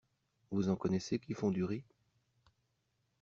Vous en connaissez qui font du riz?